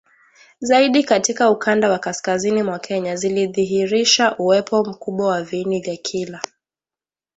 zaidi katika ukanda wa kaskazini mwa Kenya zilidhihirisha uwepo mkubwa wa viini vya kila